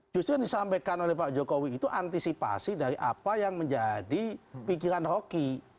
justru yang disampaikan oleh pak jokowi itu antisipasi dari apa yang menjadi pikiran rocky